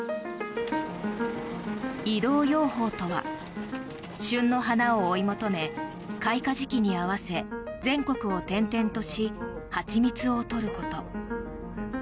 移動養蜂とは、旬の花を追い求め開花時期に合わせ全国を転々とし蜂蜜を採ること。